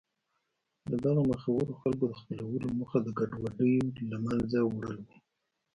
د دغو مخورو خلکو د خپلولو موخه د ګډوډیو له منځه وړل و.